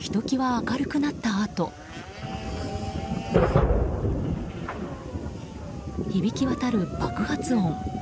明るくなったあと響き渡る爆発音。